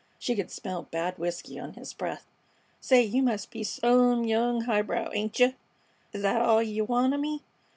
She could smell bad whisky on his breath. "Say, you must be some young highbrow, ain't yeh? Is thet all yeh want o' me?